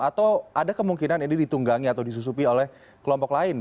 atau ada kemungkinan ini ditunggangi atau disusupi oleh kelompok lain